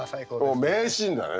もう名シーンだね。